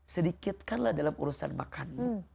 sedikitkanlah dalam urusan makan